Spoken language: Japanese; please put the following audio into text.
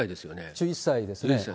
１１歳ですね。